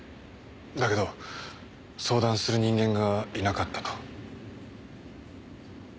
だけど相談する人間がいなかったと。